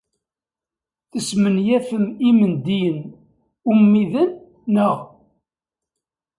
Tesmenyafem imendiyen ummiden, naɣ?